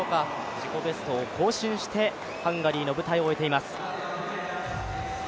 自己ベストを更新してハンガリーの舞台を終えています。